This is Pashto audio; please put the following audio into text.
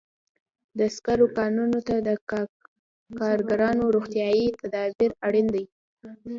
د سکرو کانونو ته د کارګرانو روغتیايي تدابیر اړین دي.